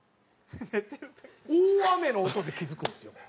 大雨の音で気づくんすよ。